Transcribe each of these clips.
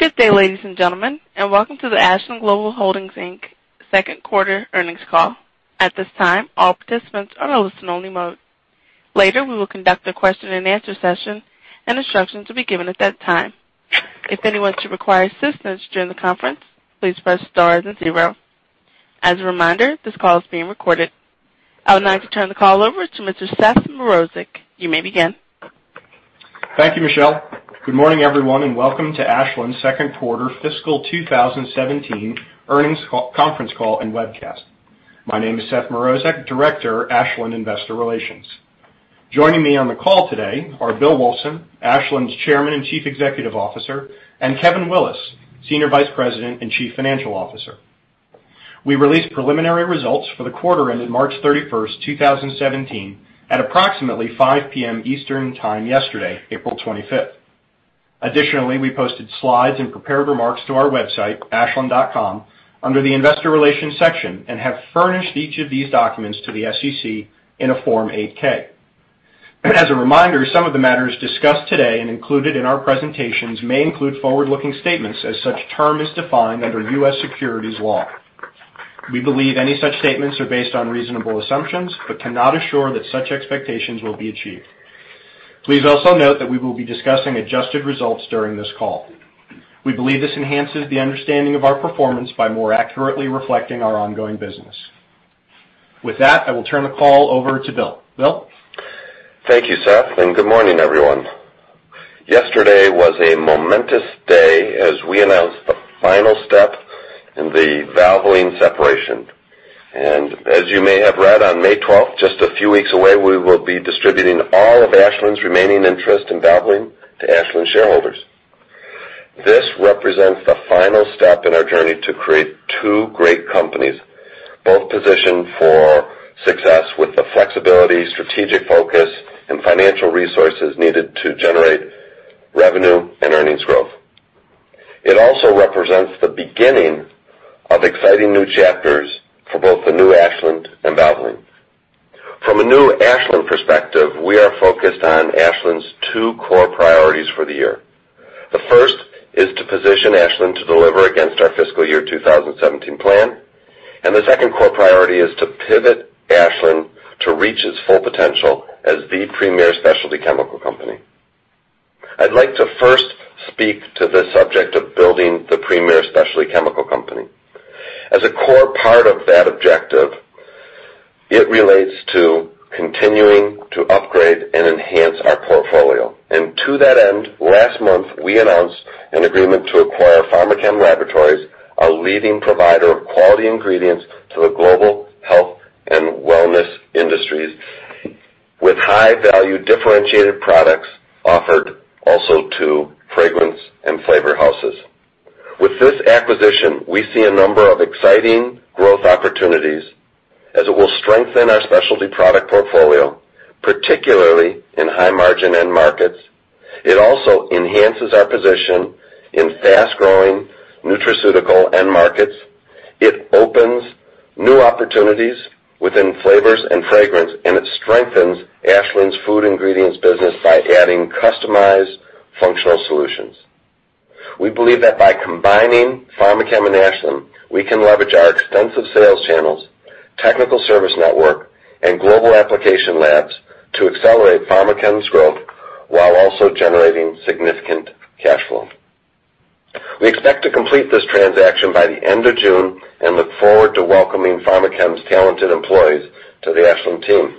Good day, ladies and gentlemen, and welcome to the Ashland Global Holdings Inc. second quarter earnings call. At this time, all participants are in listen only mode. Later, we will conduct a question and answer session, and instructions will be given at that time. If anyone should require assistance during the conference, please press star then zero. As a reminder, this call is being recorded. I would like to turn the call over to Mr. Seth Mrozek. You may begin. Thank you, Michelle. Good morning, everyone, and welcome to Ashland's second quarter fiscal 2017 earnings conference call and webcast. My name is Seth Mrozek, Director, Ashland Investor Relations. Joining me on the call today are Bill Wulfsohn, Ashland's Chairman and Chief Executive Officer, and Kevin Willis, Senior Vice President and Chief Financial Officer. We released preliminary results for the quarter ended March 31st, 2017, at approximately 5:00 P.M. Eastern Time yesterday, April 25th. Additionally, we posted slides and prepared remarks to our website, ashland.com, under the investor relations section and have furnished each of these documents to the SEC in a Form 8-K. As a reminder, some of the matters discussed today and included in our presentations may include forward-looking statements as such term is defined under U.S. securities law. We believe any such statements are based on reasonable assumptions but cannot assure that such expectations will be achieved. Please also note that we will be discussing adjusted results during this call. We believe this enhances the understanding of our performance by more accurately reflecting our ongoing business. With that, I will turn the call over to Bill. Bill? Thank you, Seth, and good morning, everyone. Yesterday was a momentous day as we announced the final step in the Valvoline separation. As you may have read, on May 12th, just a few weeks away, we will be distributing all of Ashland's remaining interest in Valvoline to Ashland shareholders. This represents the final step in our journey to create two great companies, both positioned for success with the flexibility, strategic focus, and financial resources needed to generate revenue and earnings growth. It also represents the beginning of exciting new chapters for both the new Ashland and Valvoline. From a new Ashland perspective, we are focused on Ashland's two core priorities for the year. The first is to position Ashland to deliver against our fiscal year 2017 plan, and the second core priority is to pivot Ashland to reach its full potential as the premier specialty chemical company. I'd like to first speak to the subject of building the premier specialty chemical company. As a core part of that objective, it relates to continuing to upgrade and enhance our portfolio. To that end, last month, we announced an agreement to acquire Pharmachem Laboratories, a leading provider of quality ingredients to the global health and wellness industries, with high-value differentiated products offered also to fragrance and flavor houses. With this acquisition, we see a number of exciting growth opportunities as it will strengthen our specialty product portfolio, particularly in high-margin end markets. It also enhances our position in fast-growing nutraceutical end markets. It opens new opportunities within flavors and fragrance, and it strengthens Ashland's food ingredients business by adding customized functional solutions. We believe that by combining Pharmachem and Ashland, we can leverage our extensive sales channels, technical service network, and global application labs to accelerate Pharmachem's growth while also generating significant cash flow. We expect to complete this transaction by the end of June and look forward to welcoming Pharmachem's talented employees to the Ashland team.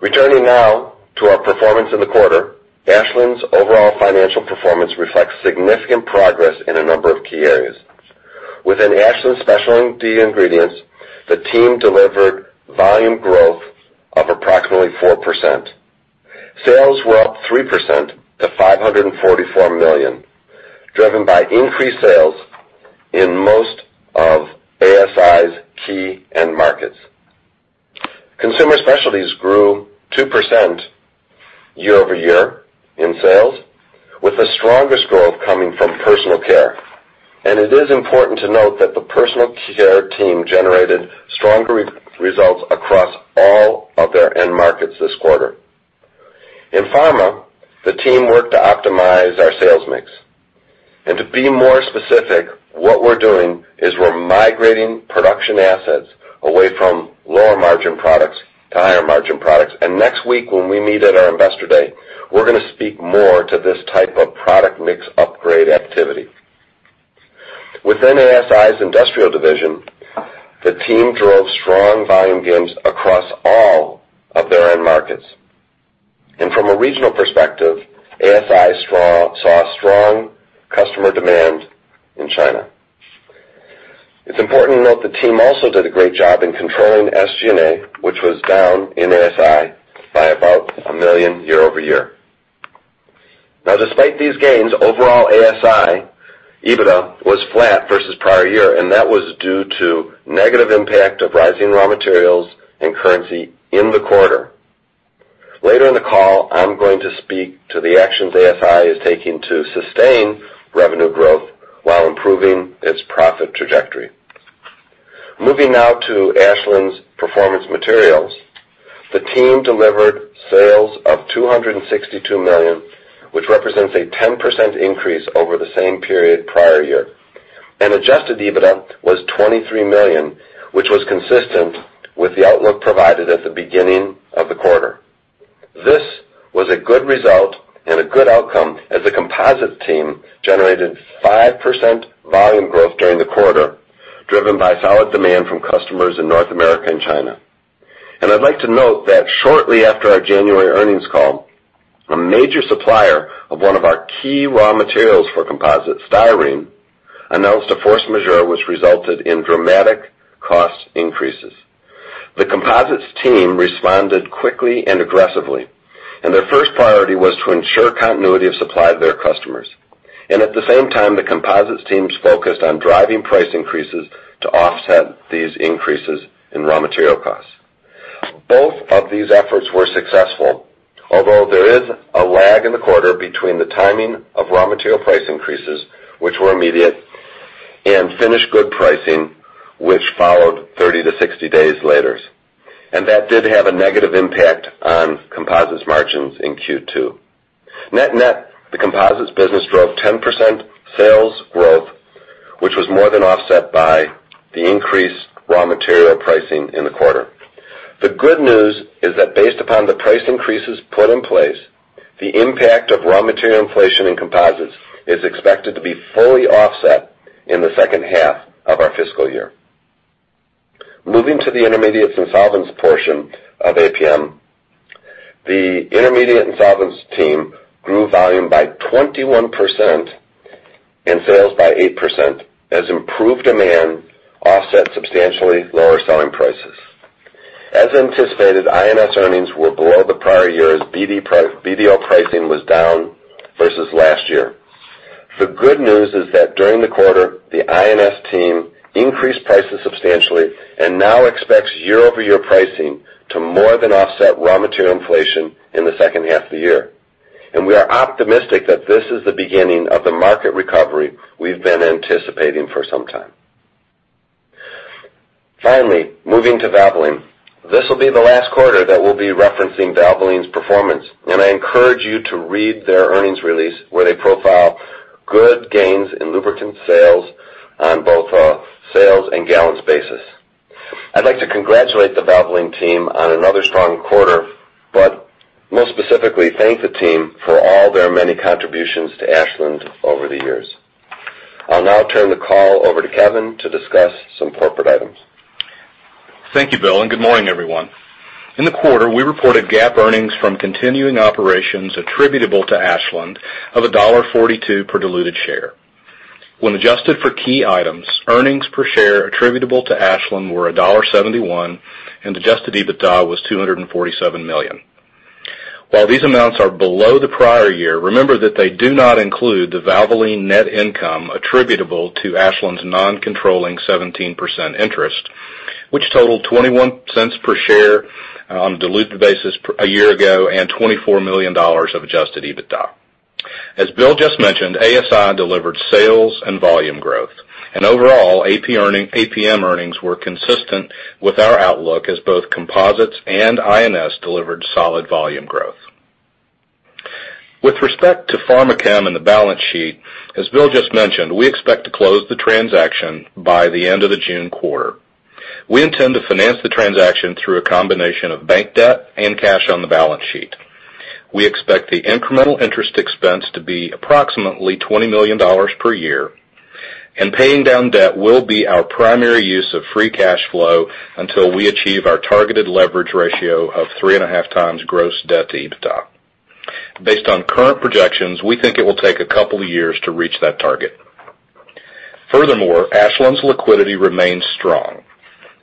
Returning now to our performance in the quarter, Ashland's overall financial performance reflects significant progress in a number of key areas. Within Ashland Specialty Ingredients, the team delivered volume growth of approximately 4%. Sales were up 3% to $544 million, driven by increased sales in most of ASI's key end markets. Consumer specialties grew 2% year-over-year in sales, with the strongest growth coming from personal care. It is important to note that the personal care team generated stronger results across all of their end markets this quarter. In pharma, the team worked to optimize our sales mix. To be more specific, what we're doing is we're migrating production assets away from lower-margin products to higher-margin products. Next week when we meet at our Investor Day, we're going to speak more to this type of product mix upgrade activity. Within ASI's Industrial division, the team drove strong volume gains across all of their end markets. From a regional perspective, ASI saw strong customer demand in China. It's important to note the team also did a great job in controlling SG&A, which was down in ASI by about $1 million year-over-year. Despite these gains, overall ASI EBITDA was flat versus prior year, and that was due to negative impact of rising raw materials and currency in the quarter. Later in the call, I'm going to speak to the actions ASI is taking to sustain revenue growth while improving its profit trajectory. Moving now to Ashland's Performance Materials. The team delivered sales of $262 million, which represents a 10% increase over the same period prior year. Adjusted EBITDA was $23 million, which was consistent with the outlook provided at the beginning of the quarter. This was a good result and a good outcome as the composites team generated 5% volume growth during the quarter, driven by solid demand from customers in North America and China. I'd like to note that shortly after our January earnings call, a major supplier of one of our key raw materials for composite, styrene, announced a force majeure which resulted in dramatic cost increases. The composites team responded quickly and aggressively, their first priority was to ensure continuity of supply to their customers. At the same time, the composites teams focused on driving price increases to offset these increases in raw material costs. Both of these efforts were successful, although there is a lag in the quarter between the timing of raw material price increases, which were immediate, and finished good pricing, which followed 30 to 60 days laters. That did have a negative impact on composites margins in Q2. Net-net, the composites business drove 10% sales growth, which was more than offset by the increased raw material pricing in the quarter. The good news is that based upon the price increases put in place, the impact of raw material inflation in composites is expected to be fully offset in the second half of our fiscal year. Moving to the Intermediates and Solvents portion of APM. The Intermediates and Solvents team grew volume by 21% and sales by 8% as improved demand offset substantially lower selling prices. As anticipated, I&S earnings were below the prior year as BDO pricing was down versus last year. The good news is that during the quarter, the I&S team increased prices substantially and now expects year-over-year pricing to more than offset raw material inflation in the second half of the year. We are optimistic that this is the beginning of the market recovery we've been anticipating for some time. Finally, moving to Valvoline. This will be the last quarter that we'll be referencing Valvoline's performance, I encourage you to read their earnings release where they profile good gains in lubricant sales on both a sales and gallons basis. I'd like to congratulate the Valvoline team on another strong quarter, but more specifically, thank the team for all their many contributions to Ashland over the years. I'll now turn the call over to Kevin to discuss some corporate items. Thank you, Bill, good morning, everyone. In the quarter, we reported GAAP earnings from continuing operations attributable to Ashland of $1.42 per diluted share. When adjusted for key items, earnings per share attributable to Ashland were $1.71, and adjusted EBITDA was $247 million. While these amounts are below the prior year, remember that they do not include the Valvoline net income attributable to Ashland's non-controlling 17% interest, which totaled $0.21 per share on a diluted basis a year ago and $24 million of adjusted EBITDA. As Bill just mentioned, ASI delivered sales and volume growth. Overall, APM earnings were consistent with our outlook as both composites and I&S delivered solid volume growth. With respect to Pharmachem and the balance sheet, as Bill just mentioned, we expect to close the transaction by the end of the June quarter. We intend to finance the transaction through a combination of bank debt and cash on the balance sheet. We expect the incremental interest expense to be approximately $20 million per year, and paying down debt will be our primary use of free cash flow until we achieve our targeted leverage ratio of 3.5 times gross debt to EBITDA. Based on current projections, we think it will take a couple of years to reach that target. Furthermore, Ashland's liquidity remains strong.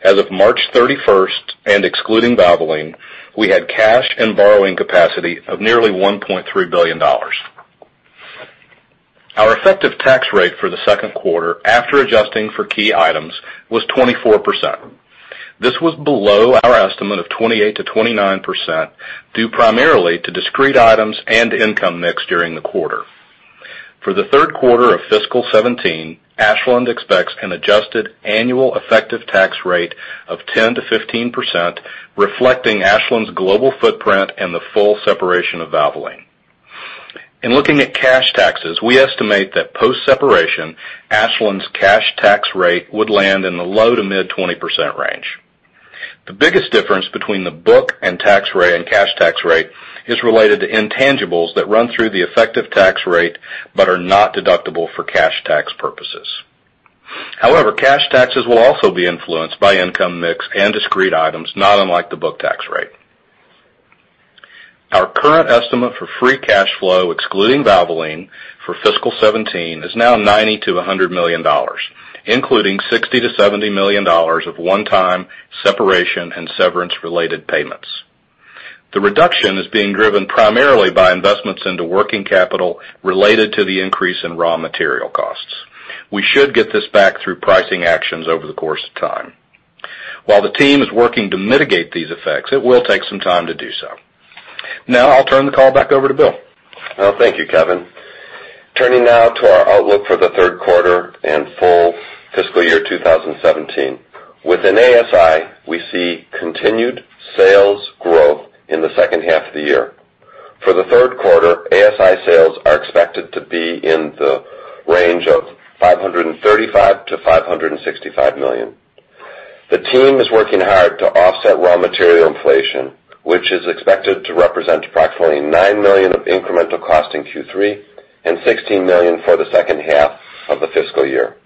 As of March 31st and excluding Valvoline, we had cash and borrowing capacity of nearly $1.3 billion. Our effective tax rate for the second quarter, after adjusting for key items, was 24%. This was below our estimate of 28%-29%, due primarily to discrete items and income mix during the quarter. For the third quarter of fiscal 2017, Ashland expects an adjusted annual effective tax rate of 10%-15%, reflecting Ashland's global footprint and the full separation of Valvoline. In looking at cash taxes, we estimate that post-separation, Ashland's cash tax rate would land in the low to mid-20% range. The biggest difference between the book and tax rate and cash tax rate is related to intangibles that run through the effective tax rate but are not deductible for cash tax purposes. However, cash taxes will also be influenced by income mix and discrete items, not unlike the book tax rate. Our current estimate for free cash flow, excluding Valvoline for fiscal 2017, is now $90 million-$100 million, including $60 million-$70 million of one-time separation and severance related payments. The reduction is being driven primarily by investments into working capital related to the increase in raw material costs. We should get this back through pricing actions over the course of time. While the team is working to mitigate these effects, it will take some time to do so. I'll turn the call back over to Bill. Well, thank you, Kevin. Turning now to our outlook for the third quarter and full fiscal year 2017. Within ASI, we see continued sales growth in the second half of the year. For the third quarter, ASI sales are expected to be in the range of $535 to $565 million. The team is working hard to offset raw material inflation, which is expected to represent approximately $9 million of incremental cost in Q3 and $16 million for the second half of the fiscal year.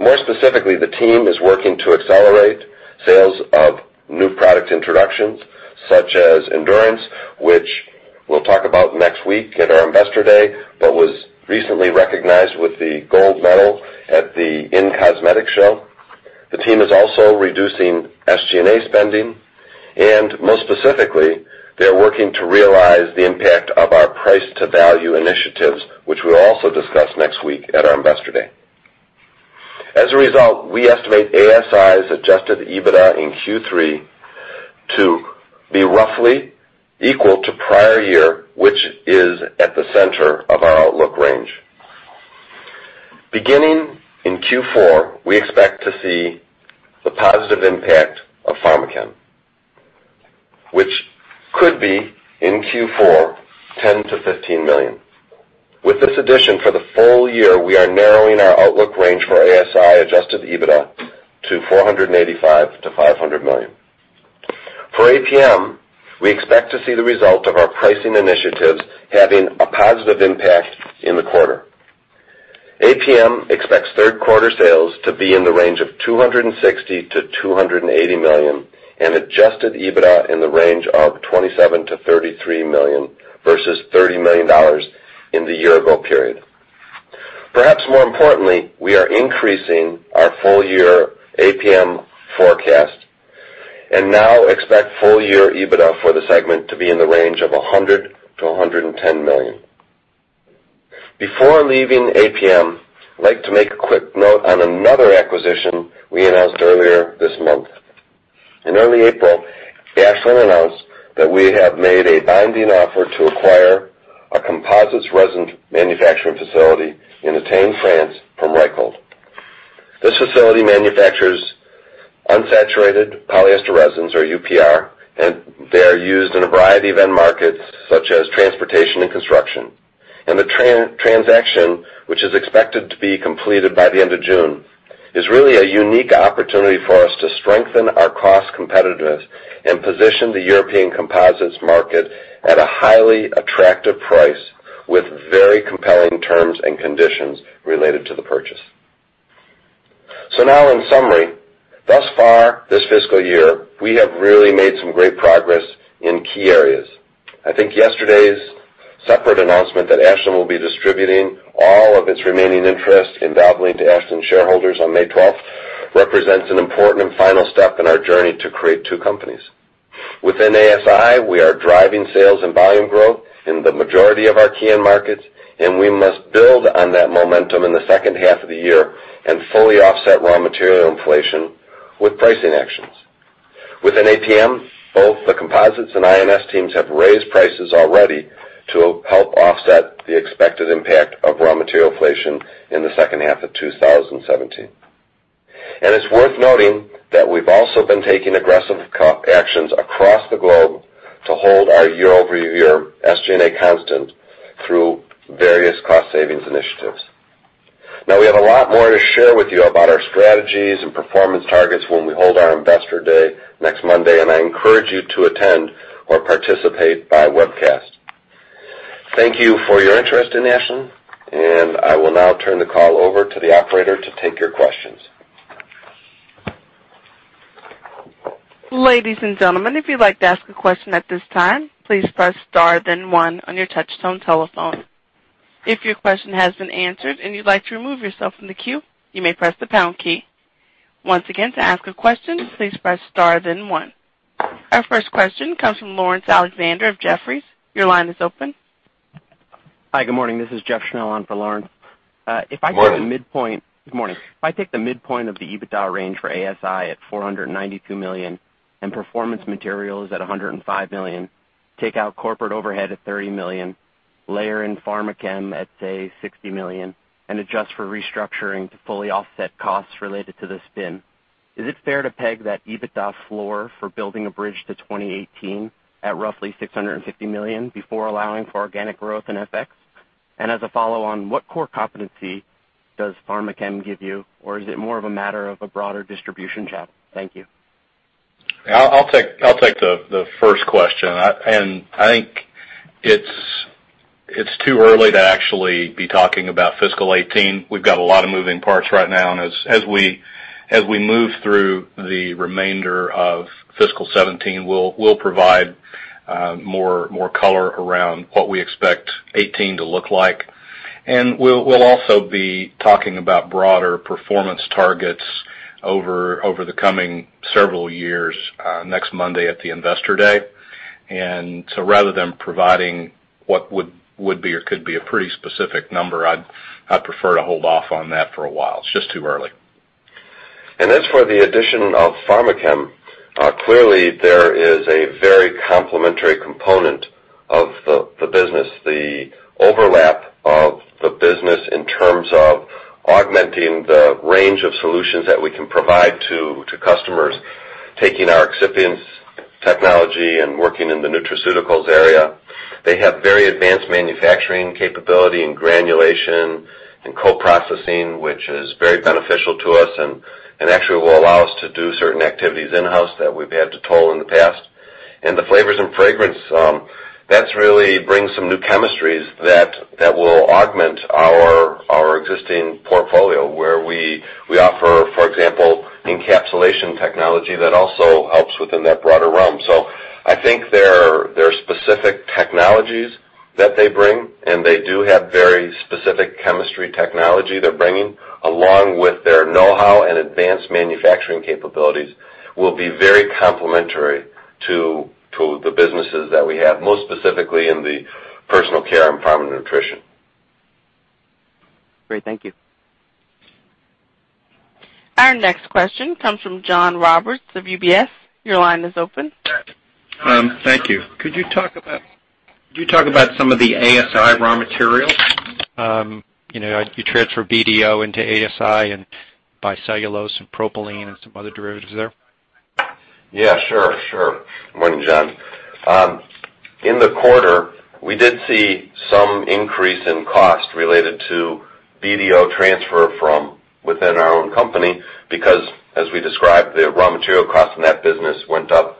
More specifically, the team is working to accelerate sales of new product introductions such as Endurance, which we will talk about next week at our Investor Day, but was recently recognized with the gold medal at the in-cosmetics show. The team is also reducing SG&A spending. More specifically, they are working to realize the impact of our price to value initiatives, which we will also discuss next week at our Investor Day. As a result, we estimate ASI's adjusted EBITDA in Q3 to be roughly equal to prior year, which is at the center of our outlook range. Beginning in Q4, we expect to see the positive impact of Pharmachem, which could be in Q4, $10 to $15 million. With this addition for the full year, we are narrowing our outlook range for ASI adjusted EBITDA to $485 to $500 million. For APM, we expect to see the result of our pricing initiatives having a positive impact in the quarter. APM expects third quarter sales to be in the range of $260 to $280 million. Adjusted EBITDA in the range of $27 to $33 million versus $30 million in the year-ago period. Perhaps more importantly, we are increasing our full year APM forecast and now expect full year EBITDA for the segment to be in the range of $100 to $110 million. Before leaving APM, I would like to make a quick note on another acquisition we announced earlier this month. In early April, Ashland announced that we have made a binding offer to acquire a composites resin manufacturing facility in Étain, France, from Reichhold. This facility manufactures unsaturated polyester resins, or UPR. They are used in a variety of end markets such as transportation and construction. The transaction, which is expected to be completed by the end of June, is really a unique opportunity for us to strengthen our cost competitiveness and position the European composites market at a highly attractive price with very compelling terms and conditions related to the purchase. Now in summary, thus far this fiscal year, we have really made some great progress in key areas. I think yesterday's separate announcement that Ashland will be distributing all of its remaining interest in Valvoline to Ashland shareholders on May 12th represents an important and final step in our journey to create two companies. Within ASI, we are driving sales and volume growth in the majority of our key end markets. We must build on that momentum in the second half of the year and fully offset raw material inflation with pricing actions. Within APM, both the composites and I&S teams have raised prices already to help offset the expected impact of raw material inflation in the second half of 2017. It's worth noting that we've also been taking aggressive actions across the globe to hold our year-over-year SG&A constant through various cost savings initiatives. We have a lot more to share with you about our strategies and performance targets when we hold our Investor Day next Monday. I encourage you to attend or participate by webcast. Thank you for your interest in Ashland. I will now turn the call over to the operator to take your questions. Ladies and gentlemen, if you'd like to ask a question at this time, please press star then one on your touchtone telephone. If your question has been answered and you'd like to remove yourself from the queue, you may press the pound key. Once again, to ask a question, please press star then one. Our first question comes from Laurence Alexander of Jefferies. Your line is open. Hi, good morning. This is Jeff Zekauskas on for Laurence. Good morning. Good morning. If I take the midpoint of the EBITDA range for ASI at $492 million and performance materials at $105 million, take out corporate overhead at $30 million, layer in Pharmachem at, say, $60 million, and adjust for restructuring to fully offset costs related to the spin, is it fair to peg that EBITDA floor for building a bridge to 2018 at roughly $650 million before allowing for organic growth and FX? As a follow-on, what core competency does Pharmachem give you, or is it more of a matter of a broader distribution channel? Thank you. I'll take the first question. I think it's too early to actually be talking about fiscal 2018. We've got a lot of moving parts right now, as we move through the remainder of fiscal 2017, we'll provide more color around what we expect 2018 to look like. We'll also be talking about broader performance targets over the coming several years next Monday at the Investor Day. Rather than providing what would be or could be a pretty specific number, I'd prefer to hold off on that for a while. It's just too early. As for the addition of Pharmachem, clearly there is a very complementary component of the business. The overlap of the business in terms of augmenting the range of solutions that we can provide to customers, taking our Excipients technology and working in the nutraceuticals area. They have very advanced manufacturing capability in granulation and co-processing, which is very beneficial to us, actually will allow us to do certain activities in-house that we've had to toll in the past. The flavors and fragrance, that really brings some new chemistries that will augment our existing portfolio where we offer, for example, encapsulation technology that also helps within that broader realm. I think there are specific technologies that they bring, they do have very specific chemistry technology they're bringing, along with their know-how and advanced manufacturing capabilities, will be very complementary to the businesses that we have, most specifically in the personal care and pharma nutrition. Great. Thank you. Our next question comes from John Roberts of UBS. Your line is open. Thank you. Could you talk about some of the ASI raw materials? You transfer BDO into ASI and buy cellulose and propylene and some other derivatives there. Yeah, sure. Morning, John. In the quarter, we did see some increase in cost related to BDO transfer from within our own company because, as we described, the raw material cost in that business went up.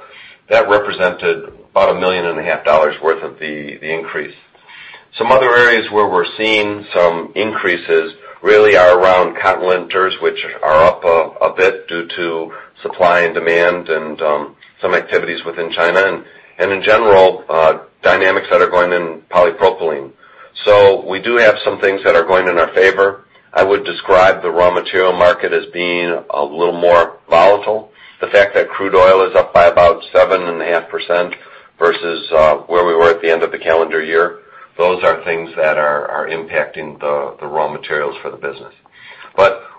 That represented about a million and a half dollars worth of the increase. Some other areas where we're seeing some increases really are around cotton linters, which are up a bit due to supply and demand and some activities within China. In general, dynamics that are going in polypropylene. We do have some things that are going in our favor. I would describe the raw material market as being a little more volatile. The fact that crude oil is up by about 7.5% versus where we were at the end of the calendar year, those are things that are impacting the raw materials for the business.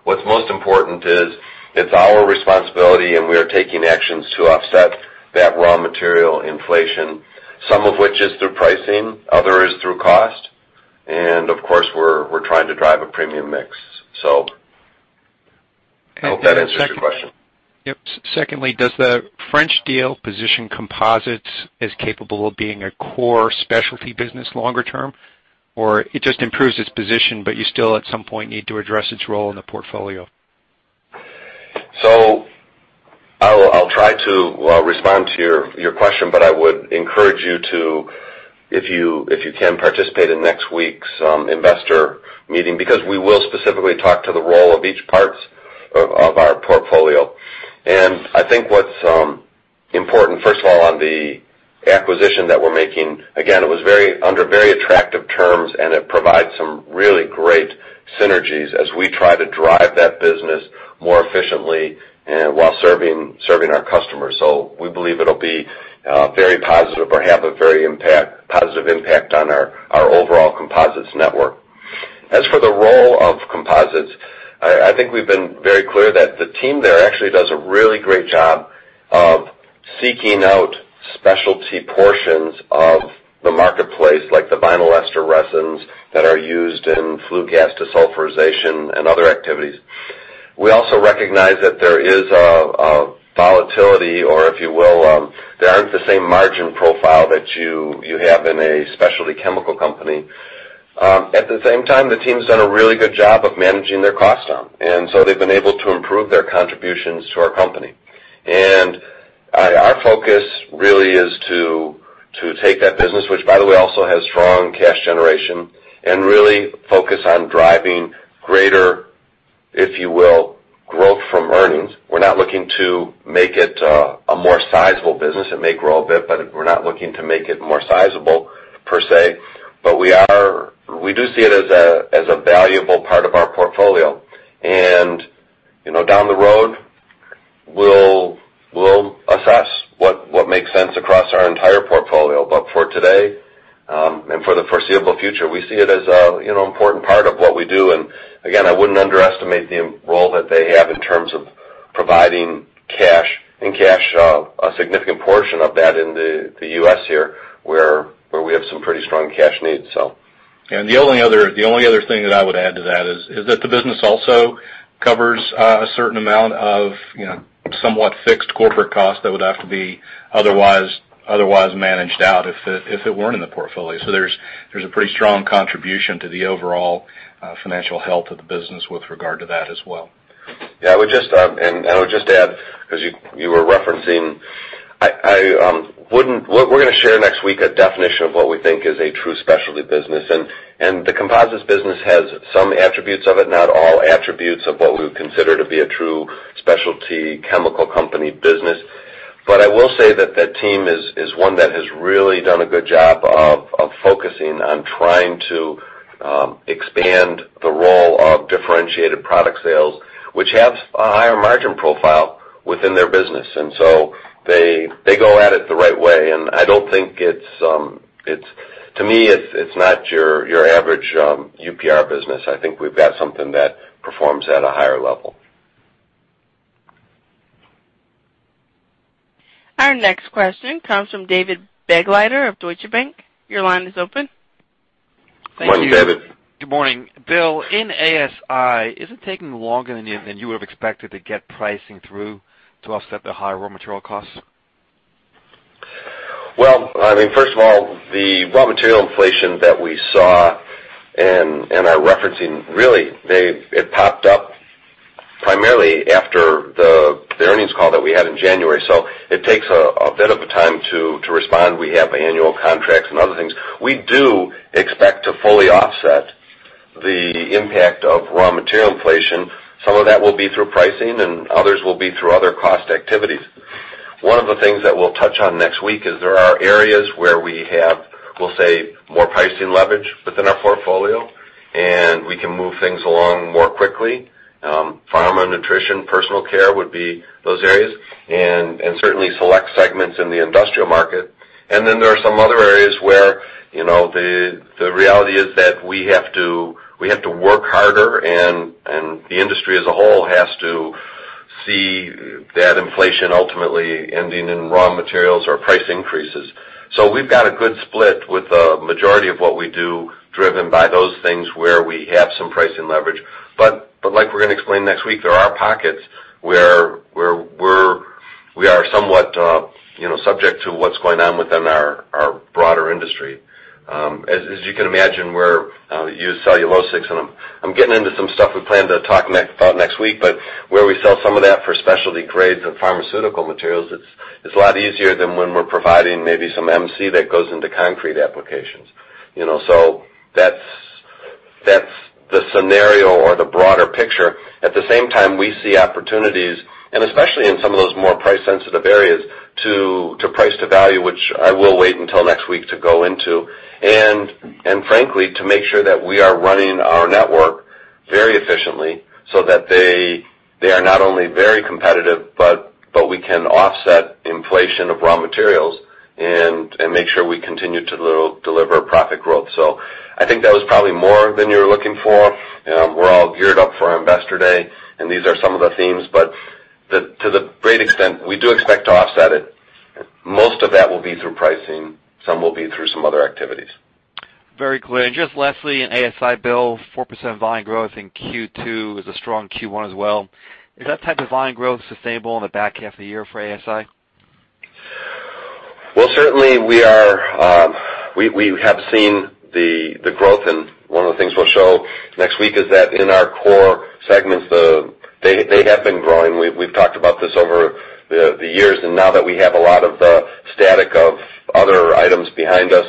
What's most important is it's our responsibility, and we are taking actions to offset that raw material inflation, some of which is through pricing, other is through cost. Of course, we're trying to drive a premium mix. I hope that answers your question. Yep. Secondly, does the French deal position composites as capable of being a core specialty business longer term? It just improves its position, but you still, at some point, need to address its role in the portfolio? I'll try to respond to your question, but I would encourage you to, if you can participate in next week's investor meeting, because we will specifically talk to the role of each parts of our portfolio. I think what's important, first of all, on the acquisition that we're making, again, it was under very attractive terms, and it provides some really great synergies as we try to drive that business more efficiently and while serving our customers. We believe it'll be very positive or have a very positive impact on our overall composites network. As for the role of composites, I think we've been very clear that the team there actually does a really great job of seeking out specialty portions of the marketplace, like the vinyl ester resins that are used in flue gas desulfurization and other activities. We also recognize that there is a volatility, or if you will, they aren't the same margin profile that you have in a specialty chemical company. At the same time, the team's done a really good job of managing their cost down. They've been able to improve their contributions to our company. Our focus really is to take that business, which, by the way, also has strong cash generation, and really focus on driving greater, if you will, growth from earnings. We're not looking to make it a more sizable business. It may grow a bit, but we're not looking to make it more sizable per se. We do see it as a valuable part of our portfolio. Down the road, we'll assess what makes sense across our entire portfolio. For today, and for the foreseeable future, we see it as an important part of what we do. Again, I wouldn't underestimate the role that they have in terms of providing cash and cash, a significant portion of that in the U.S. here, where we have some pretty strong cash needs. The only other thing that I would add to that is that the business also covers a certain amount of somewhat fixed corporate costs that would have to be otherwise managed out if it weren't in the portfolio. There's a pretty strong contribution to the overall financial health of the business with regard to that as well. Yeah. I would just add, because you were referencing. We're going to share next week a definition of what we think is a true specialty business. The composites business has some attributes of it, not all attributes of what we would consider to be a true specialty chemical company business. I will say that the team is one that has really done a good job of focusing on trying to expand the role of differentiated product sales, which have a higher margin profile within their business. They go at it the right way. I don't think it's To me, it's not your average UPR business. I think we've got something that performs at a higher level. Our next question comes from David Begleiter of Deutsche Bank. Your line is open. Morning, David. Good morning. Bill, in ASI, is it taking longer than you have expected to get pricing through to offset the higher raw material costs? Well, first of all, the raw material inflation that we saw and are referencing, really, it popped up primarily after the earnings call that we had in January. It takes a bit of a time to respond. We have annual contracts and other things. We do expect to fully offset the impact of raw material inflation. Some of that will be through pricing, others will be through other cost activities. One of the things that we'll touch on next week is there are areas where we have, we'll say, more pricing leverage within our portfolio, and we can move things along more quickly. Pharma, nutrition, personal care would be those areas, and certainly select segments in the industrial market. There are some other areas where the reality is that we have to work harder and the industry as a whole has to see that inflation ultimately ending in raw materials or price increases. We've got a good split, with the majority of what we do driven by those things where we have some pricing leverage. Like we're going to explain next week, there are pockets where we are somewhat subject to what's going on within our broader industry. As you can imagine, where used cellulosics, and I'm getting into some stuff we plan to talk about next week, but where we sell some of that for specialty grades and pharmaceutical materials, it's a lot easier than when we're providing maybe some MC that goes into concrete applications. That's the scenario or the broader picture. At the same time, we see opportunities, and especially in some of those more price-sensitive areas, to price to value, which I will wait until next week to go into. Frankly, to make sure that we are running our network very efficiently so that they are not only very competitive, but we can offset inflation of raw materials and make sure we continue to deliver profit growth. I think that was probably more than you were looking for. We're all geared up for our investor day, and these are some of the themes, to the great extent, we do expect to offset it. Most of that will be through pricing. Some will be through some other activities. Very clear. Just lastly, in ASI, Bill, 4% volume growth in Q2 is a strong Q1 as well. Is that type of volume growth sustainable in the back half of the year for ASI? Well, certainly we have seen the growth, one of the things we'll show next week is that in our core segments, they have been growing. We've talked about this over the years, now that we have a lot of the static of other items behind us,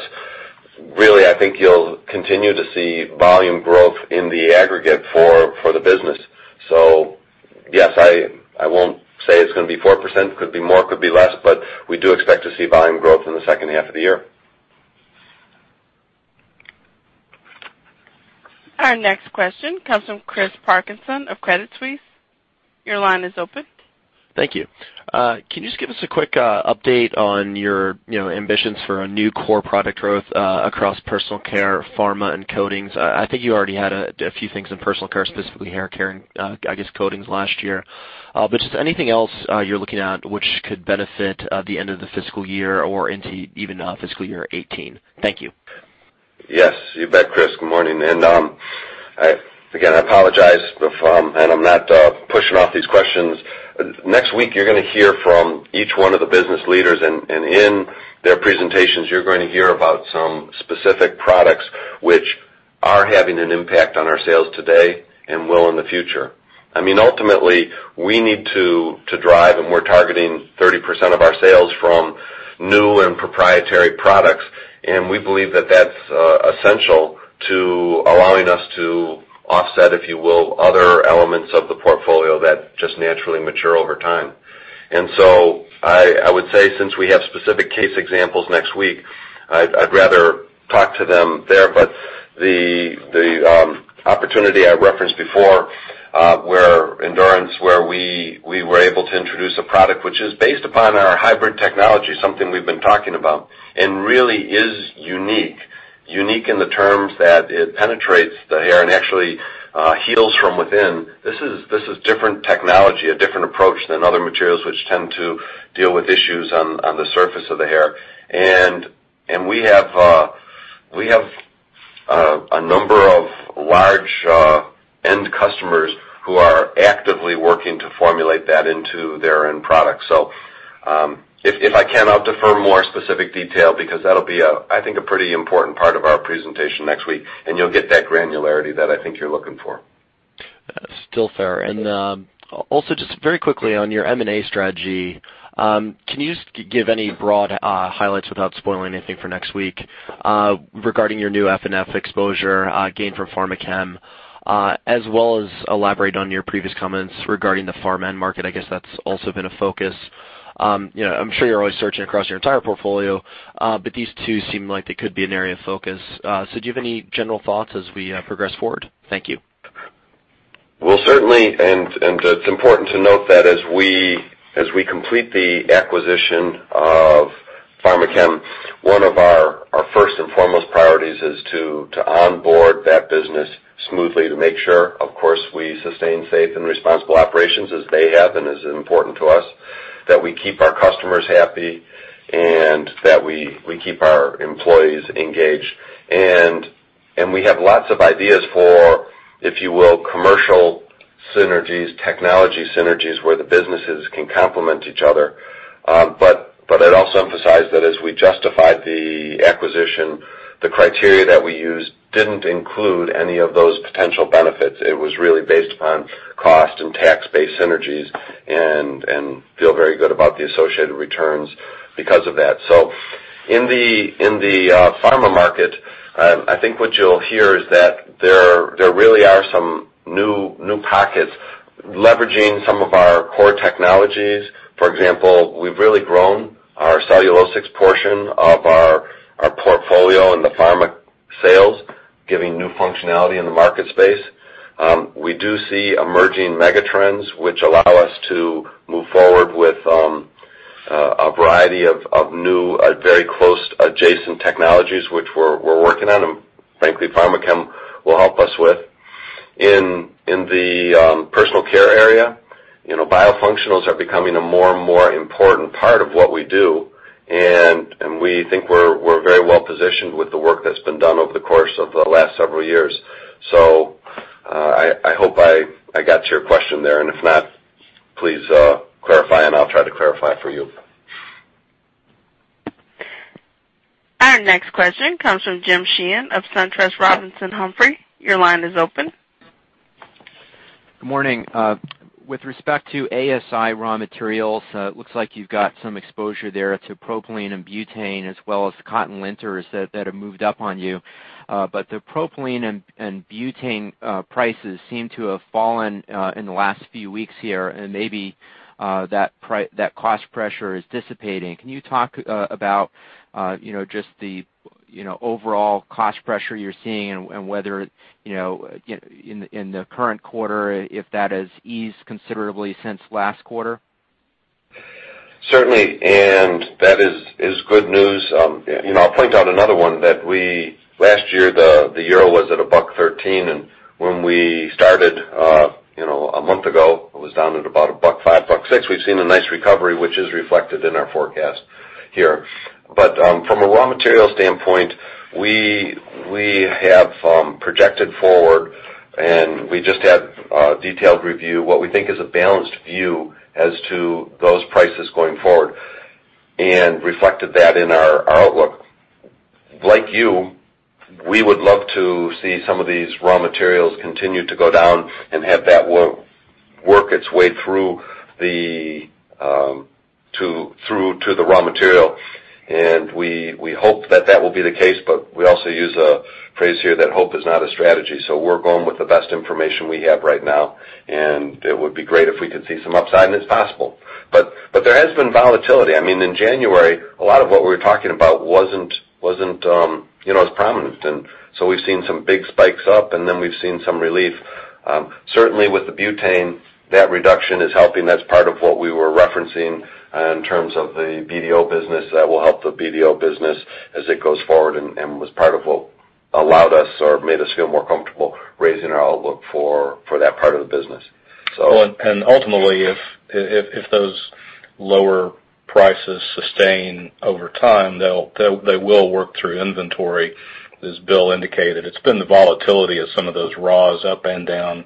really, I think you'll continue to see volume growth in the aggregate for the business. Yes, I won't say it's going to be 4%, could be more, could be less, we do expect to see volume growth in the second half of the year. Our next question comes from Chris Parkinson of Credit Suisse. Your line is open. Thank you. Can you just give us a quick update on your ambitions for a new core product growth across personal care, pharma, coatings? I think you already had a few things in personal care, specifically hair care, I guess, coatings last year. Just anything else you're looking at which could benefit the end of the fiscal year or into even fiscal year 2018? Thank you. Yes, you bet, Chris. Good morning. I apologize and I'm not pushing off these questions. Next week, you're going to hear from each one of the business leaders, and in their presentations, you're going to hear about some specific products which are having an impact on our sales today and will in the future. Ultimately, we need to drive, and we're targeting 30% of our sales from new and proprietary products, and we believe that that's essential to allowing us to offset, if you will, other elements of the portfolio that just naturally mature over time. I would say, since we have specific case examples next week, I'd rather talk to them there. The opportunity I referenced before, where Endurance, where we were able to introduce a product which is based upon our hybrid technology, something we've been talking about, and really is unique. Unique in the terms that it penetrates the hair and actually heals from within. This is different technology, a different approach than other materials which tend to deal with issues on the surface of the hair. We have a number of large end customers who are actively working to formulate that into their end product. If I can, I'll defer more specific detail because that'll be, I think, a pretty important part of our presentation next week, and you'll get that granularity that I think you're looking for. Still fair. Also, just very quickly on your M&A strategy, can you just give any broad highlights without spoiling anything for next week regarding your new F&F exposure gained from Pharmachem, as well as elaborate on your previous comments regarding the Pharm end market? I guess that's also been a focus. I'm sure you're always searching across your entire portfolio, but these two seem like they could be an area of focus. Do you have any general thoughts as we progress forward? Thank you. Well, certainly, and it's important to note that as we complete the acquisition of Pharmachem, one of our first and foremost priorities is to onboard that business smoothly to make sure, of course, we sustain safe and responsible operations as they have, and is important to us, that we keep our customers happy, and that we keep our employees engaged. We have lots of ideas for, if you will, commercial synergies, technology synergies, where the businesses can complement each other. I'd also emphasize that as we justified the acquisition, the criteria that we used didn't include any of those potential benefits. It was really based upon cost and tax-based synergies, and feel very good about the associated returns because of that. In the Pharma market, I think what you'll hear is that there really are some new pockets leveraging some of our core technologies. For example, we've really grown our cellulosics portion of our portfolio in the pharma sales, giving new functionality in the market space. We do see emerging mega trends which allow us to move forward with a variety of new, very close adjacent technologies, which we're working on, and frankly, Pharmachem will help us with. In the personal care area, biofunctionals are becoming a more and more important part of what we do. We think we're very well positioned with the work that's been done over the course of the last several years. I hope I got your question there, and if not, please clarify, and I'll try to clarify for you. Our next question comes from James Sheehan of SunTrust Robinson Humphrey. Your line is open. Good morning. With respect to ASI raw materials, it looks like you've got some exposure there to propylene and butane as well as cotton linters that have moved up on you. The propylene and butane prices seem to have fallen in the last few weeks here, and maybe that cost pressure is dissipating. Can you talk about just the overall cost pressure you're seeing and whether in the current quarter, if that has eased considerably since last quarter? Certainly. That is good news. I'll point out another one, that last year, the euro was at 1.13, and when we started a month ago, it was down at about 1.05, 1.06. We've seen a nice recovery, which is reflected in our forecast here. From a raw material standpoint, we have projected forward, and we just had a detailed review, what we think is a balanced view as to those prices going forward, and reflected that in our outlook. Like you, we would love to see some of these raw materials continue to go down and have that work its way through to the raw material. We hope that that will be the case, but we also use a phrase here that hope is not a strategy. We're going with the best information we have right now, and it would be great if we could see some upside, and it's possible. There has been volatility. In January, a lot of what we were talking about wasn't as prominent. We've seen some big spikes up, and then we've seen some relief. Certainly, with the butane, that reduction is helping. That's part of what we were referencing in terms of the BDO business. That will help the BDO business as it goes forward and was part of what allowed us or made us feel more comfortable raising our outlook for that part of the business. Ultimately, if those lower prices sustain over time, they will work through inventory, as Bill indicated. It's been the volatility of some of those raws up and down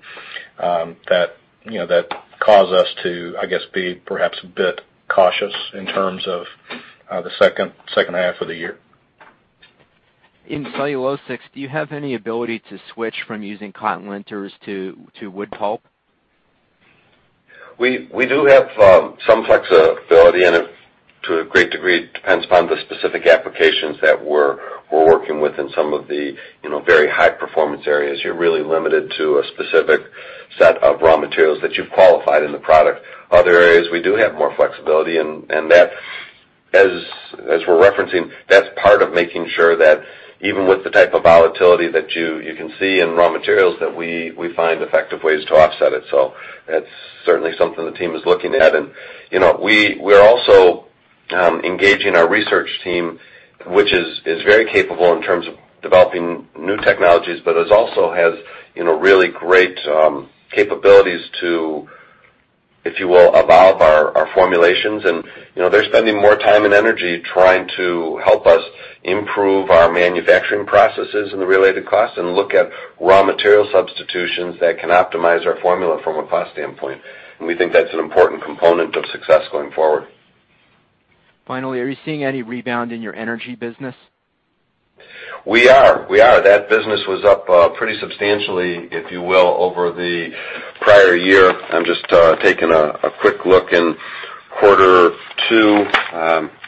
that cause us to, I guess, be perhaps a bit cautious in terms of the second half of the year. In cellulosics, do you have any ability to switch from using cotton linters to wood pulp? We do have some flexibility, and to a great degree, it depends upon the specific applications that we're working with. In some of the very high performance areas, you're really limited to a specific set of raw materials that you've qualified in the product. Other areas, we do have more flexibility, and as we're referencing, that's part of making sure that even with the type of volatility that you can see in raw materials, that we find effective ways to offset it. That's certainly something the team is looking at. We are also engaging our research team, which is very capable in terms of developing new technologies, but it also has really great capabilities to, if you will, evolve our formulations. They're spending more time and energy trying to help us improve our manufacturing processes and the related costs and look at raw material substitutions that can optimize our formula from a cost standpoint. We think that's an important component of success going forward. Finally, are you seeing any rebound in your energy business? We are. That business was up pretty substantially, if you will, over the prior year. I'm just taking a quick look in quarter two.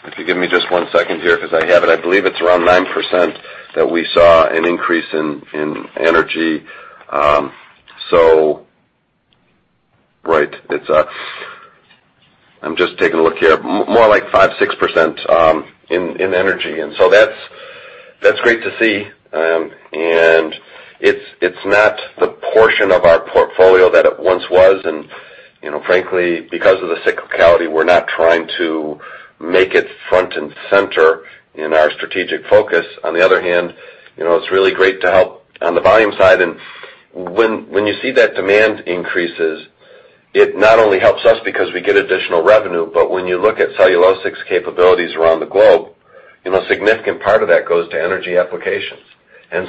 If you give me just one second here, because I have it. I believe it's around 9% that we saw an increase in energy. Right, I'm just taking a look here. More like 5%, 6% in energy. That's great to see. It's not the portion of our portfolio that it once was, and frankly, because of the cyclicality, we're not trying to make it front and center in our strategic focus. On the other hand, it's really great to help on the volume side. When you see that demand increases, it not only helps us because we get additional revenue, but when you look at cellulosics capabilities around the globe, a significant part of that goes to energy applications.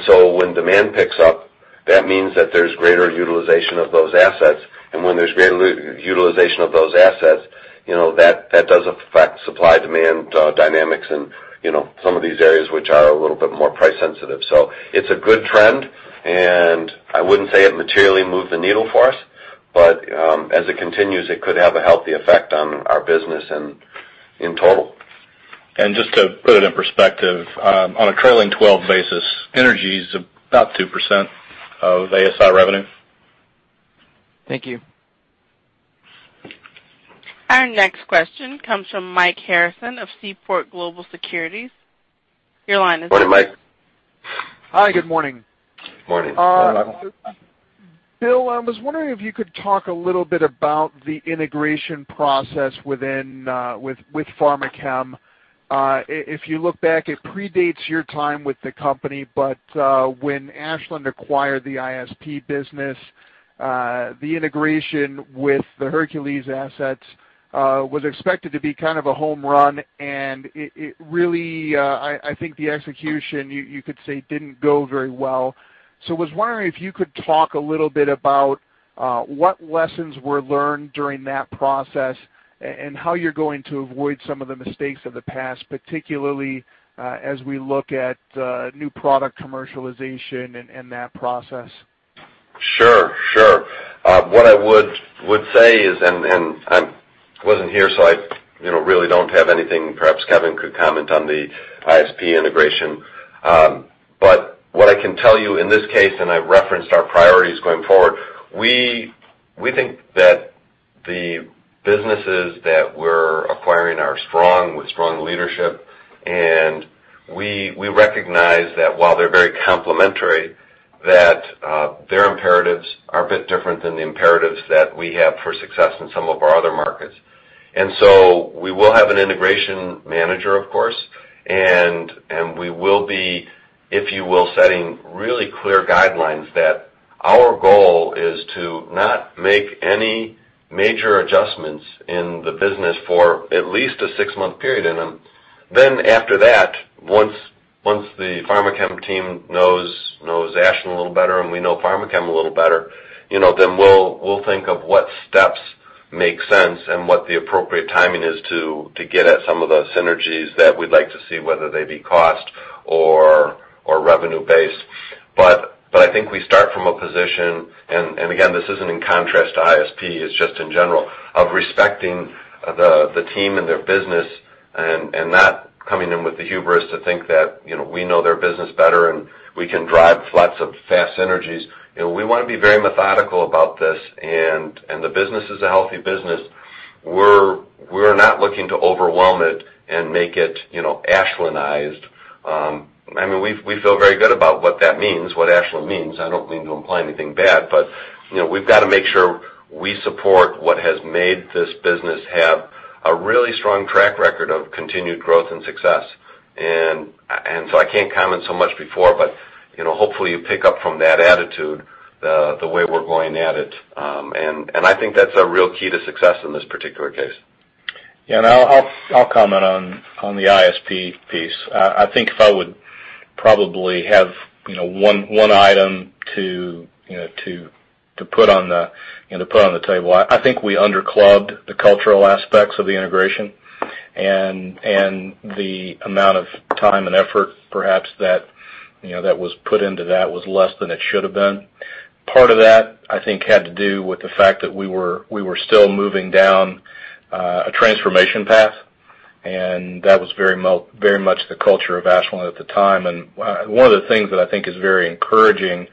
When demand picks up, that means that there's greater utilization of those assets. When there's greater utilization of those assets, that does affect supply-demand dynamics in some of these areas, which are a little bit more price sensitive. It's a good trend, and I wouldn't say it materially moved the needle for us, but as it continues, it could have a healthy effect on our business in total. Just to put it in perspective, on a trailing 12 basis, energy is about 2% of ASI revenue. Thank you. Our next question comes from Mike Harrison of Seaport Global Securities. Your line is open. Morning, Mike. Hi, good morning. Morning. Morning. Bill, I was wondering if you could talk a little bit about the integration process with Pharmachem. If you look back, it predates your time with the company, but when Ashland acquired the ISP business, the integration with the Hercules assets was expected to be kind of a home run, and it really, I think the execution, you could say, didn't go very well. I was wondering if you could talk a little bit about what lessons were learned during that process, how you're going to avoid some of the mistakes of the past, particularly as we look at new product commercialization and that process. Sure. What I would say is, I wasn't here, I really don't have anything. Perhaps Kevin could comment on the ISP integration. What I can tell you in this case, I referenced our priorities going forward, we think that the businesses that we're acquiring are strong, with strong leadership. We recognize that while they're very complementary, their imperatives are a bit different than the imperatives that we have for success in some of our other markets. We will have an integration manager, of course. We will be, if you will, setting really clear guidelines that our goal is to not make any major adjustments in the business for at least a six-month period. After that, once the Pharmachem team knows Ashland a little better we know Pharmachem a little better, we'll think of what steps make sense and what the appropriate timing is to get at some of the synergies that we'd like to see, whether they be cost or revenue based. I think we start from a position, again, this isn't in contrast to ISP, it's just in general, of respecting the team and their business, not coming in with the hubris to think that we know their business better we can drive lots of fast synergies. We want to be very methodical about this, the business is a healthy business. We're not looking to overwhelm it and make it Ashlandized. We feel very good about what that means, what Ashland means. I don't mean to imply anything bad, but we've got to make sure we support what has made this business have a really strong track record of continued growth and success. I can't comment so much before, but hopefully you pick up from that attitude the way we're going at it. I think that's a real key to success in this particular case. I'll comment on the ISP piece. I think if I would probably have one item to put on the table, I think we under-clubbed the cultural aspects of the integration, and the amount of time and effort perhaps that was put into that was less than it should have been. Part of that, I think, had to do with the fact that we were still moving down a transformation path, and that was very much the culture of Ashland at the time. One of the things that I think is very encouraging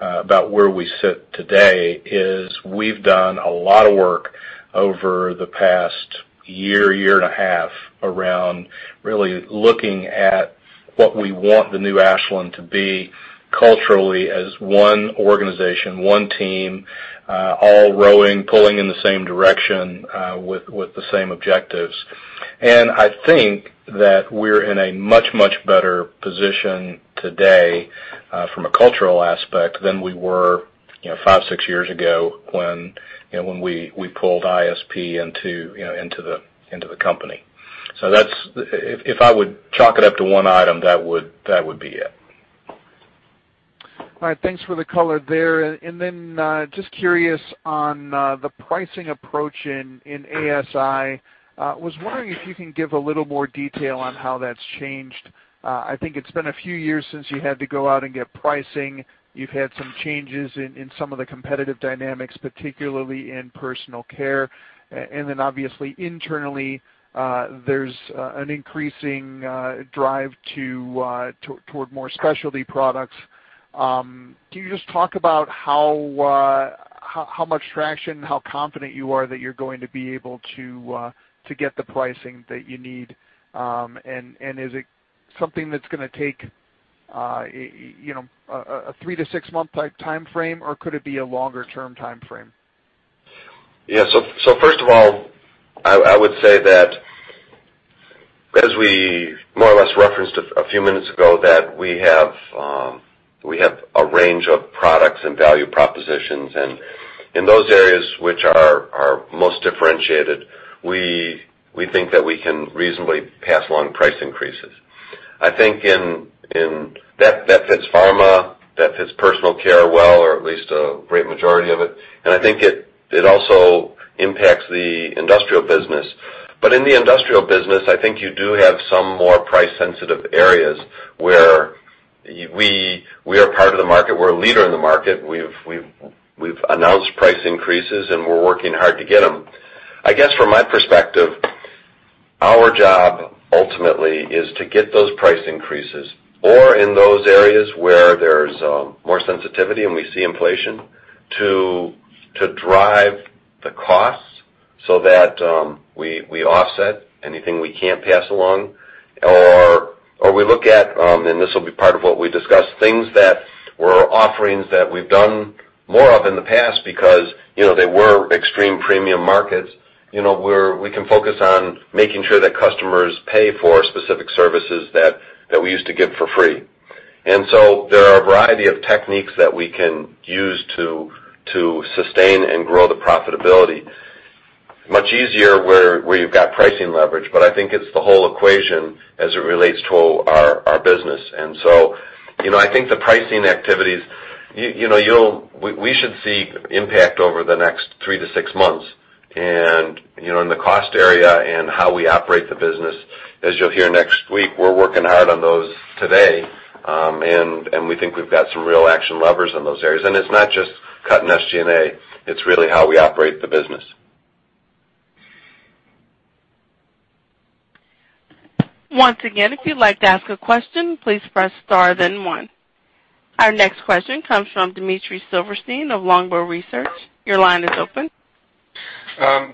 about where we sit today is we've done a lot of work over the past year and a half, around really looking at what we want the new Ashland to be culturally as one organization, one team, all rowing, pulling in the same direction with the same objectives. I think that we're in a much, much better position today from a cultural aspect than we were five, six years ago when we pulled ISP into the company. If I would chalk it up to one item, that would be it. All right. Thanks for the color there. Just curious on the pricing approach in ASI. Was wondering if you can give a little more detail on how that's changed. I think it's been a few years since you had to go out and get pricing. You've had some changes in some of the competitive dynamics, particularly in personal care. Obviously internally, there's an increasing drive toward more specialty products. Can you just talk about how much traction, how confident you are that you're going to be able to get the pricing that you need. Is it something that's going to take a three to six-month type timeframe, or could it be a longer-term timeframe? First of all, I would say that as we more or less referenced a few minutes ago, that we have a range of products and value propositions. In those areas which are most differentiated, we think that we can reasonably pass along price increases. I think that fits pharma, that fits personal care well, or at least a great majority of it. I think it also impacts the industrial business. In the industrial business, I think you do have some more price-sensitive areas where we are part of the market. We're a leader in the market. We've announced price increases, and we're working hard to get them. I guess from my perspective, our job ultimately is to get those price increases, or in those areas where there's more sensitivity and we see inflation, to drive the costs so that we offset anything we can't pass along. We look at, and this will be part of what we discuss, things that were offerings that we've done more of in the past because they were extreme premium markets, where we can focus on making sure that customers pay for specific services that we used to give for free. There are a variety of techniques that we can use to sustain and grow the profitability. Much easier where you've got pricing leverage, but I think it's the whole equation as it relates to our business. I think the pricing activities, we should see impact over the next three to six months. In the cost area and how we operate the business, as you'll hear next week, we're working hard on those today. We think we've got some real action levers in those areas. It's not just cutting SG&A, it's really how we operate the business. Once again, if you'd like to ask a question, please press star, then one. Our next question comes from Dmitry Silversteyn of Longbow Research. Your line is open.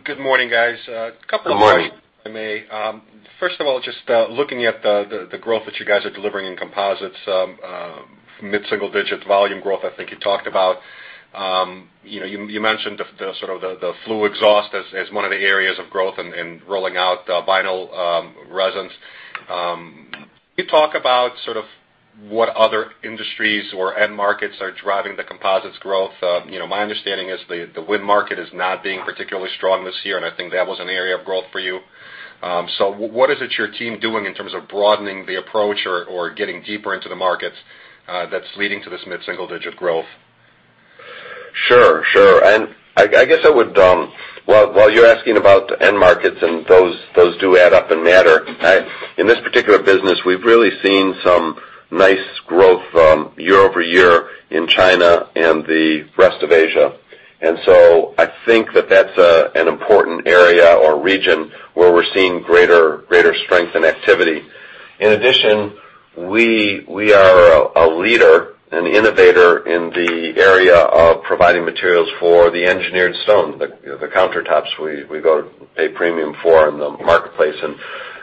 Good morning, guys. A couple of questions. Good morning. If I may. First of all, just looking at the growth that you guys are delivering in composites, mid-single digit volume growth, I think you talked about. You mentioned the flue exhaust as one of the areas of growth and rolling out vinyl resins. Can you talk about what other industries or end markets are driving the composites growth? My understanding is the wind market is not being particularly strong this year, and I think that was an area of growth for you. What is it your team doing in terms of broadening the approach or getting deeper into the markets that's leading to this mid-single digit growth? Sure. I guess while you're asking about end markets and those do add up and matter. In this particular business, we've really seen some nice growth year-over-year in China and the rest of Asia. I think that that's an important area or region where we're seeing greater strength and activity. In addition, we are a leader and innovator in the area of providing materials for the engineered stone, the countertops we go to pay a premium for in the marketplace.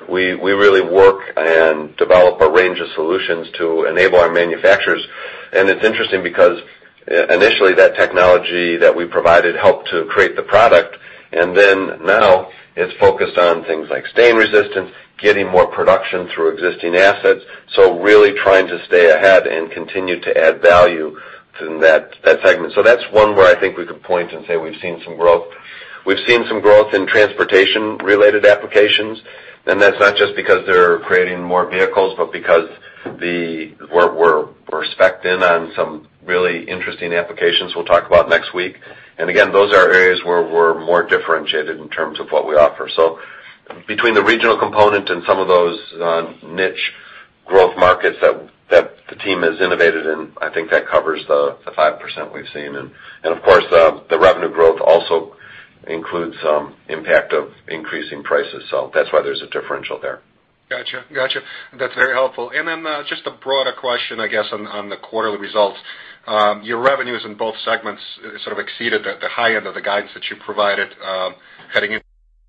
We really work and develop a range of solutions to enable our manufacturers. It's interesting because initially that technology that we provided helped to create the product, and then now it's focused on things like stain resistance, getting more production through existing assets. Really trying to stay ahead and continue to add value to that segment. That's one where I think we could point and say we've seen some growth. We've seen some growth in transportation-related applications. That's not just because they're creating more vehicles, but because we're specced in on some really interesting applications we'll talk about next week. Again, those are areas where we're more differentiated in terms of what we offer. Between the regional component and some of those niche growth markets that the team has innovated in, I think that covers the 5% we've seen. Of course, the revenue growth also includes impact of increasing prices. That's why there's a differential there. Got you. That's very helpful. Just a broader question, I guess, on the quarterly results. Your revenues in both segments sort of exceeded the high end of the guidance that you provided heading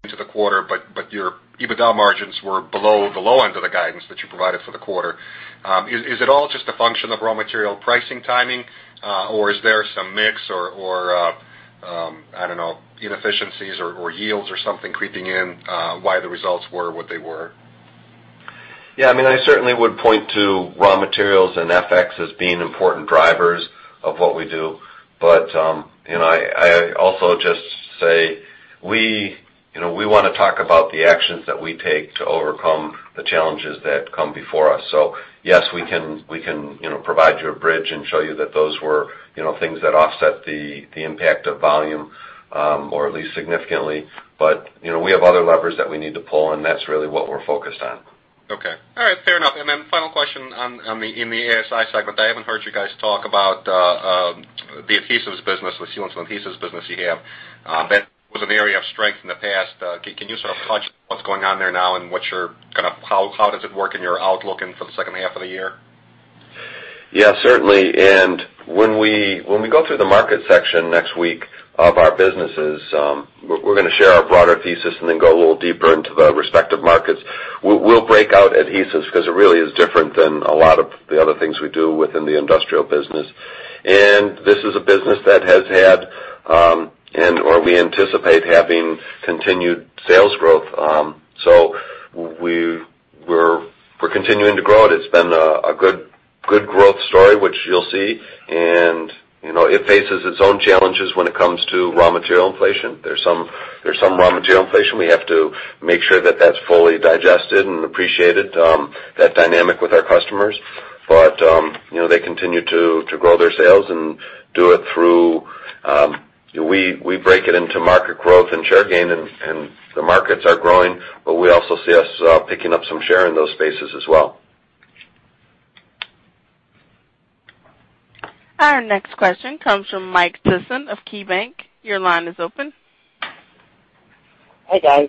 into the quarter, but your EBITDA margins were below the low end of the guidance that you provided for the quarter. Is it all just a function of raw material pricing timing? Or is there some mix or, I don't know, inefficiencies or yields or something creeping in why the results were what they were? Yeah. I certainly would point to raw materials and FX as being important drivers of what we do. I also just say we want to talk about the actions that we take to overcome the challenges that come before us. Yes, we can provide you a bridge and show you that those were things that offset the impact of volume, or at least significantly. We have other levers that we need to pull, that's really what we're focused on. Okay. All right. Fair enough. Final question on the ASI segment. I haven't heard you guys talk about the adhesives business, the sealants and adhesives business you have. That was an area of strength in the past. Can you sort of touch on what's going on there now and how does it work in your outlook and for the second half of the year? Yes, certainly. When we go through the market section next week of our businesses, we're going to share our broader thesis and then go a little deeper into the respective markets. We'll break out adhesives because it really is different than a lot of the other things we do within the industrial business. This is a business that has had, or we anticipate having continued sales growth. We're continuing to grow it. It's been a good growth story, which you'll see. It faces its own challenges when it comes to raw material inflation. There's some raw material inflation. We have to make sure that that's fully digested and appreciated, that dynamic with our customers. They continue to grow their sales and do it through. We break it into market growth and share gain, and the markets are growing, but we also see us picking up some share in those spaces as well. Our next question comes from Mike Sison of KeyBanc. Your line is open. Hi, guys.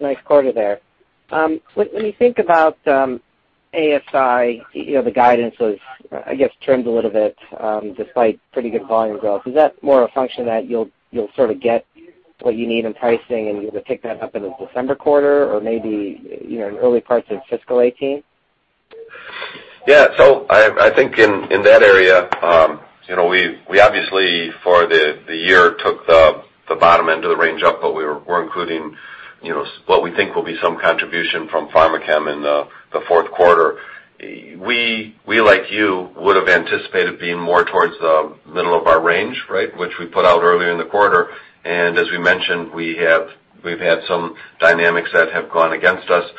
Nice quarter there. When you think about ASI, the guidance was, I guess, trimmed a little bit, despite pretty good volume growth. Is that more a function that you'll sort of get what you need in pricing and you either pick that up in the December quarter or maybe in early parts of fiscal 2018? I think in that area we obviously for the year took the bottom end of the range up, but we're including what we think will be some contribution from Pharmachem in the fourth quarter. We, like you, would've anticipated being more towards the middle of our range. Right. Which we put out earlier in the quarter. As we mentioned, we've had some dynamics that have gone against us.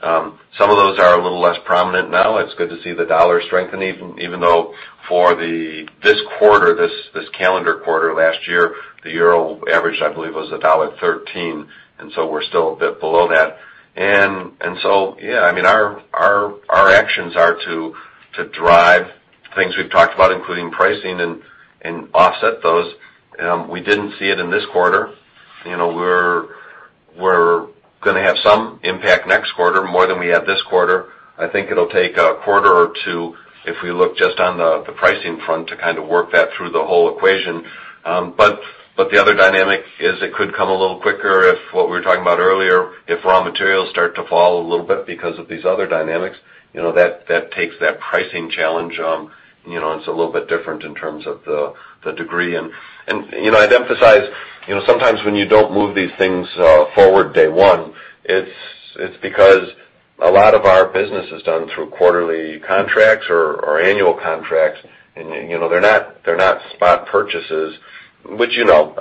Some of those are a little less prominent now. It's good to see the dollar strengthening, even though for this quarter, this calendar quarter last year, the euro average, I believe, was $1.13, and we're still a bit below that. Our actions are to drive things we've talked about, including pricing, and offset those. We didn't see it in this quarter. We're going to have some impact next quarter, more than we had this quarter. I think it'll take a quarter or two if we look just on the pricing front to kind of work that through the whole equation. The other dynamic is it could come a little quicker if what we were talking about earlier, if raw materials start to fall a little bit because of these other dynamics. That takes that pricing challenge, it's a little bit different in terms of the degree. I'd emphasize, sometimes when you don't move these things forward day one, it's because a lot of our business is done through quarterly contracts or annual contracts. They're not spot purchases, which you know.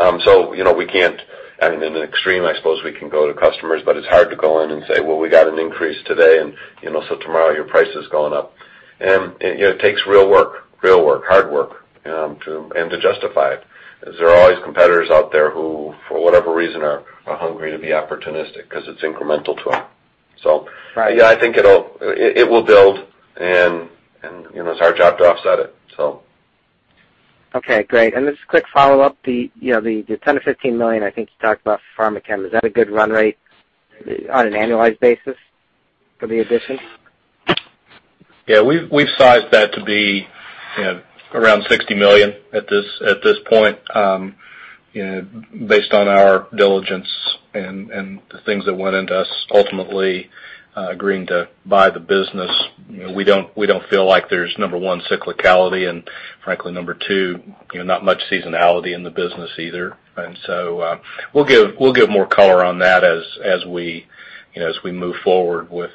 We can't. In an extreme, I suppose we can go to customers, it's hard to go in and say, "We got an increase today, tomorrow your price is going up." It takes real work, hard work and to justify it, as there are always competitors out there who, for whatever reason, are hungry to be opportunistic because it's incremental to them. Right. I think it will build, it's our job to offset it. Okay, great. Just a quick follow-up. The $10 million-$15 million, I think you talked about Pharmachem. Is that a good run rate on an annualized basis for the addition? Yeah. We've sized that to be around $60 million at this point based on our diligence and the things that went into us ultimately agreeing to buy the business. We don't feel like there's, number one, cyclicality, and frankly, number two, not much seasonality in the business either. We'll give more color on that as we move forward with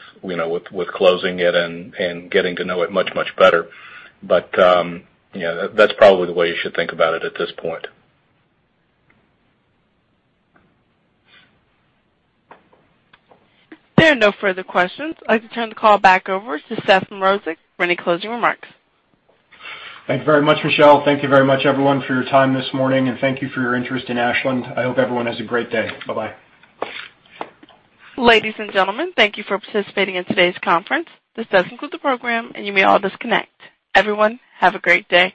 closing it and getting to know it much, much better. That's probably the way you should think about it at this point. There are no further questions. I'd like to turn the call back over to Seth Mrozek for any closing remarks. Thank you very much, Michelle. Thank you very much, everyone, for your time this morning, and thank you for your interest in Ashland. I hope everyone has a great day. Bye-bye. Ladies and gentlemen, thank you for participating in today's conference. This does conclude the program, and you may all disconnect. Everyone, have a great day.